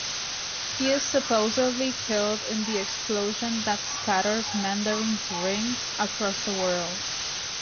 He is supposedly killed in the explosion that scatters Mandarin's rings across the world.